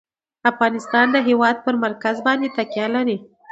افغانستان د هېواد پر مرکز باندې تکیه لري.